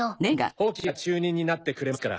ホウキが中忍になってくれますから。